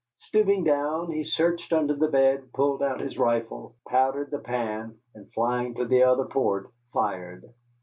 Stooping down, he searched under the bed, pulled out his rifle, powdered the pan, and flying to the other port, fired.